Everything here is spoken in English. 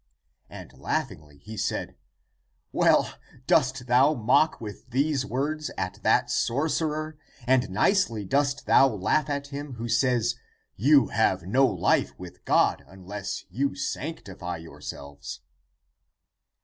And laughingly he said, " Well dost thou mock with these words at that sorcerer, and nicely dost thou laugh at him who says. You have no life with God unless you sanctify yourselves